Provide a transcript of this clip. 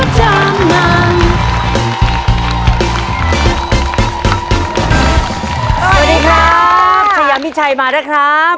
สวัสดีครับชายามิชัยมานะครับ